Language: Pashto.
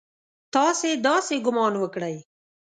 تاسې داسې ګومان وکړئ!